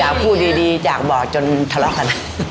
อยากพูดดีจากบอกจนทรวดขนาดนั้น